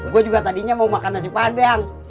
gue juga tadinya mau makan nasi padang